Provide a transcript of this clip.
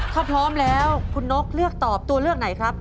ถ้าพร้อมแล้วคุณนกเลือกตอบตัวเลือกไหนครับ